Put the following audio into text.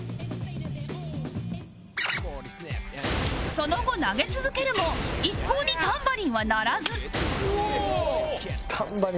その後投げ続けるも一向にタンバリンは鳴らず